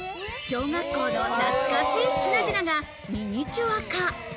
小学校の懐かしい品々がミニチュア化。